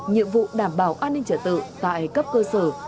nhiệm vụ đảm bảo an ninh trả tự tại cấp cơ sở